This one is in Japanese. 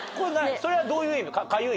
それはどういう意味？